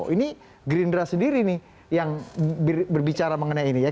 ini gerindra sendiri nih yang berbicara mengenai ini ya